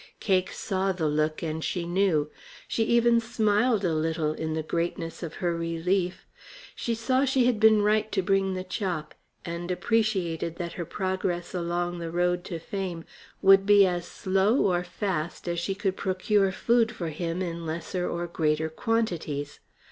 Cake saw the look, and she knew. She even smiled a little in the greatness of her relief. She saw she had been right to bring the chop, and appreciated that her progress along road to fame would be as slow or fast as she could procure food for him in lesser or larger quantities.